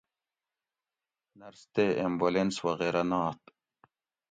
نرس تے ایمبولینس وغیرہ نات